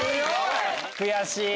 悔しい！